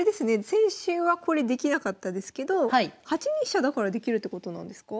先週はこれできなかったですけど８二飛車だからできるってことなんですか？